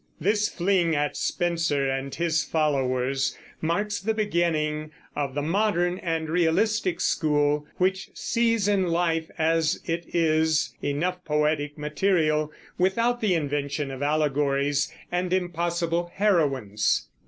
This fling at Spenser and his followers marks the beginning of the modern and realistic school, which sees in life as it is enough poetic material, without the invention of allegories and impossible heroines.